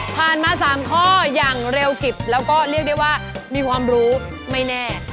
มา๓ข้ออย่างเร็วกิบแล้วก็เรียกได้ว่ามีความรู้ไม่แน่